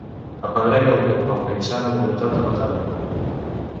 Apedrega algú amb la insana voluntat de matar-lo.